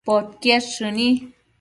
podquied shëni